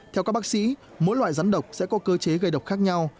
theo các bác sĩ mỗi loại rắn độc sẽ có cơ chế gây độc khác nhau